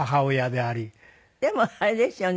でもあれですよね。